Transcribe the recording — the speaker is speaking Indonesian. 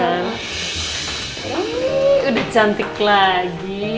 iiih udah cantik lagi